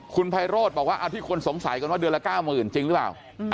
คุณไพโรธบอกว่าเอาที่คนสงสัยกันว่าเดือนละ๙๐๐จริงหรือเปล่า